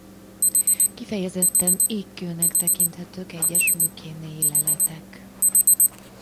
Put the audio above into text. Kifejezetten ékkőnek tekinthetők egyes mükénéi leletek.